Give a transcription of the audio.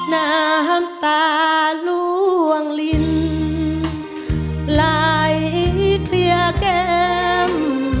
น้ำตาล่วงลิ้นไหลเคลียร์แก้ม